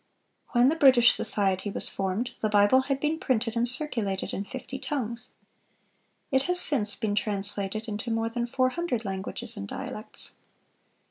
When the British Society was formed, the Bible had been printed and circulated in fifty tongues. It has since been translated into more than four hundred languages and dialects.